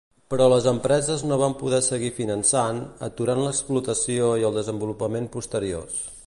Però les empreses no van poder seguir finançant, aturant l'exploració i el desenvolupament posteriors.